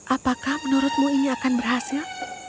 apakah menurutmu ini akan berhasil